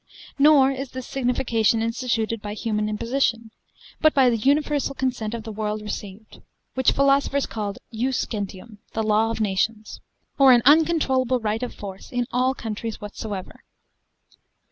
Nor is this signification instituted by human imposition, but by the universal consent of the world received, which philosophers call Jus Gentium, the Law of Nations, or an uncontrollable right of force in all countries whatsoever.